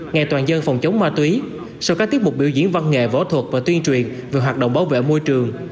ngày toàn dân phòng chống ma túy sau các tiết mục biểu diễn văn nghệ võ thuật và tuyên truyền về hoạt động bảo vệ môi trường